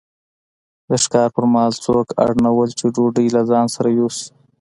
د ښکار پر مهال څوک اړ نه وو چې ډوډۍ له ځان سره یوسي.